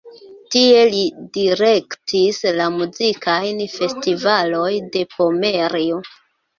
Tie li direktis la muzikajn festivaloj de Pomerio.